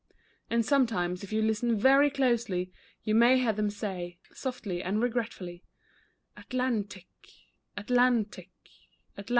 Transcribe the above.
And sometimes if you listen very closely, you may hear them say, softly and re gretfully, " Atlan //^, Atlan //^:, Atlan